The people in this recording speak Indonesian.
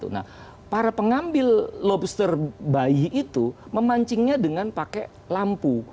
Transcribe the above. nah para pengambil lobster bayi itu memancingnya dengan pakai lampu